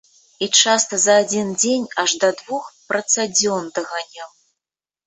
І часта за адзін дзень аж да двух працадзён даганяў!